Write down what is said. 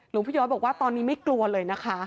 พี่ย้อยบอกว่าตอนนี้ไม่กลัวเลยนะคะ